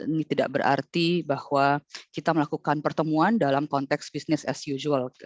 ini tidak berarti bahwa kita melakukan pertemuan dalam konteks business as usual